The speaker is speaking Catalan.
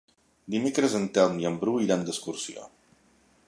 Dimecres en Telm i en Bru iran d'excursió.